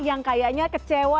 yang kayaknya kecewa